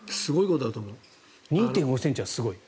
２．５ｃｍはすごい。